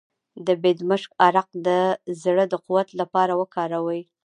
د بیدمشک عرق د زړه د قوت لپاره وکاروئ